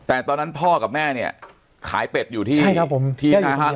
แต่ตอนนั้นพ่อกับแม่เนี่ยขายเป็ดอยู่ที่ใช่ครับผมที่หน้าห้าง